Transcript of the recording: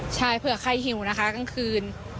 ใช่เผื่อใครหิวนะคะกลางคืน